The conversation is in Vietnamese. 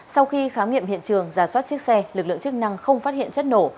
sau khi khám nghiệm hiện trường giả soát chiếc xe lực lượng chức năng không phát hiện chất nổ